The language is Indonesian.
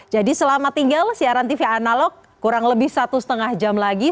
jadi selama tinggal siaran tv analog kurang lebih satu setengah jam lagi